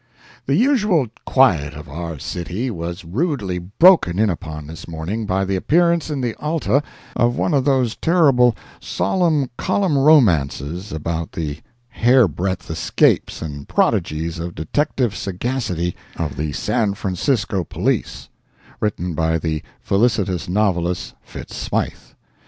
The usual quiet of our city was rudely broken in upon this morning by the appearance in the Alta of one of those terrible solid column romances about the hair breadth escapes and prodigies of detective sagacity of the San Francisco police—written by the felicitous novelist, Fitz Smythe.